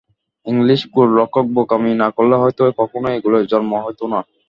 English গোলরক্ষক বোকামি না করলে হয়তো কখনোই এ গোলের জন্ম হতো না।